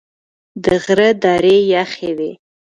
د غره درې یخي وې .